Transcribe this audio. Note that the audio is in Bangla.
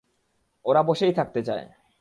ওরা বশেই থাকতে চায়!